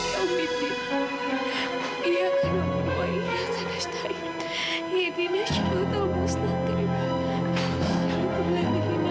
cepat panggil keluarganya saya khawatir bahwa tidak bisa bertahan